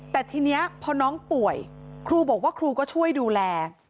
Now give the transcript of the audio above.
แต่ทีนี้พอน้องป่วยครูบอกว่าครูก็ช่วยดูแล